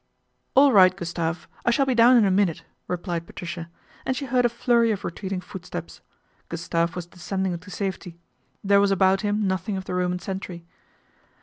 " All right, Gustave. I shall be down in a minute," replied Patricia, and she heard a flurry of retreating footsteps. Gustave was descending to safety. There was about him nothing of the Roman sentry.